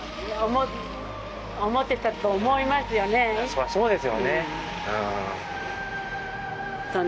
そりゃそうですよねうん。